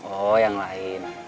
oh yang lain